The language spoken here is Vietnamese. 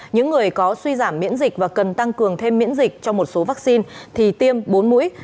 những người có suy giảm miễn dịch và cần tăng cường thêm miễn dịch cho một số vaccine thì tiêm bốn mũi